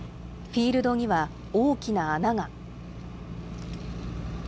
フィールドには大きな穴が。